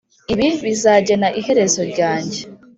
ibi bizagena iherezo ryanjye